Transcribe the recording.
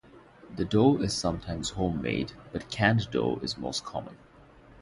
The dough is sometimes homemade, but canned dough is most common.